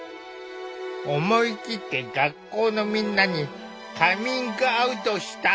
思いきって学校のみんなにカミングアウトした。